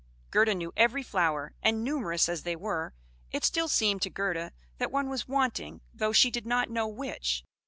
Gerda knew every flower; and, numerous as they were, it still seemed to Gerda that one was wanting, though she did not know which.